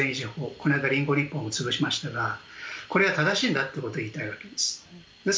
この間リンゴ日報も潰しましたがこれは正しいんだということを言いたいわけです。